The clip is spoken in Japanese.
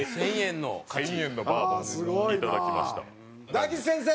大吉先生。